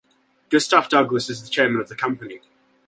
Gustaf Douglas is the chairman of the company.